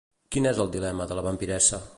Quin és el dilema de la vampiressa?